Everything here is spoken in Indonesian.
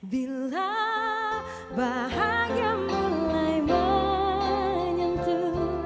bila bahagia mulai menyentuh